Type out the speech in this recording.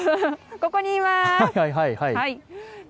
ここにいます。